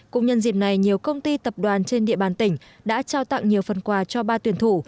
cũng nhân dịp này nhiều công ty tập đoàn trên địa bàn tỉnh đã trao tặng nhiều phần quà cho ba tuyển thủ